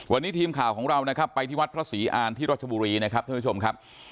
วันนี้ทีมข่าวของเรานะครับไปที่วัดพระศรีอานที่รัชบุรีนะครับท่านผู้ชมครับ